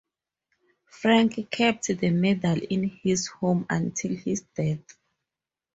Frank kept the medal in his home until his death.